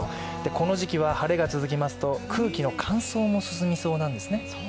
この時期は晴れが続きますと空気の乾燥も進みそうなんですね。